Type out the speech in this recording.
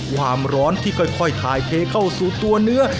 ความร้อนที่ค่อยทายเทเข้าสู่ตัวเนื้อ